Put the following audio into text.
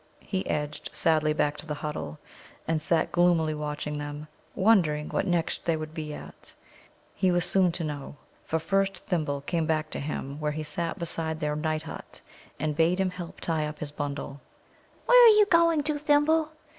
He edged sadly back to the huddle, and sat gloomily watching them, wondering what next they would be at. He was soon to know, for first Thimble came back to him where he sat beside their night hut and bade him help tie up his bundle. "Where are you going to, Thimble?"